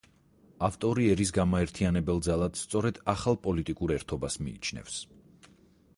ავტორი ერის გამაერთიანებელ ძალად სწორედ ახალ პოლიტიკურ ერთობას მიიჩნევს.